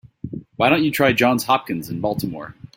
Why don't you try Johns Hopkins in Baltimore?